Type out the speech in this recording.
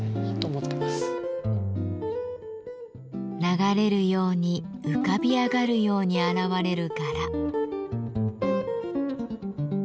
流れるように浮かび上がるように現れる柄。